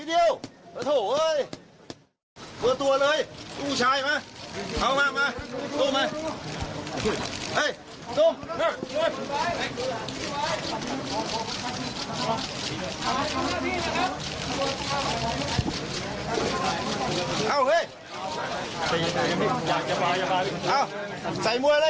อีกทีอย่ากาศนี้หน่อย